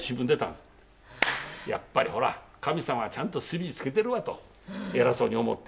「やっぱりほら神様はちゃんと墨つけてるわと偉そうに思って。